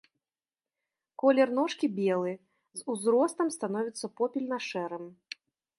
Колер ножкі белы, з узростам становіцца попельна-шэрым.